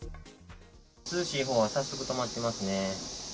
涼しいほうは早速止まってますね。